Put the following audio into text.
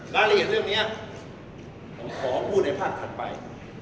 รายละเอียดเรื่องนี้ผมขอพูดในภาพถัดไป